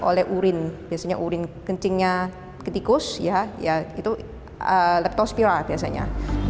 oleh urin biasanya urin kencingnya ke tikus ya itu leptospira biasanya